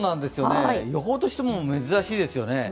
予報としても珍しいですよね。